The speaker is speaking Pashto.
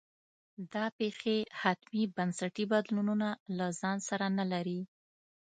دا پېښې حتمي بنسټي بدلونونه له ځان سره نه لري.